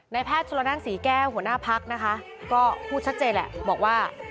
แพทย์ชนละนั่นศรีแก้วหัวหน้าพักนะคะก็พูดชัดเจนแหละบอกว่า